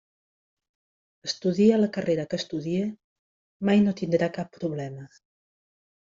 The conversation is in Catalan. Estudie la carrera que estudie mai no tindrà cap problema.